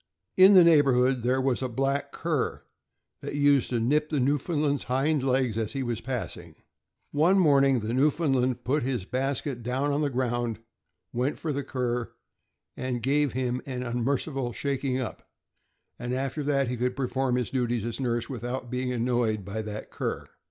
In the neighborhood there was a black cur that used to nip the Newfoundland' s hind legs as he was passing. One morning, the Newfoundland put his basket down on the ground, went for the cur, gave him an unmerciful shaking up, and after that he could perform his duties as nurse without being annoyed by that cur.